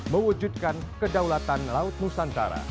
mewujudkan kedaulatan laut nusantara